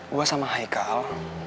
gue sama haikal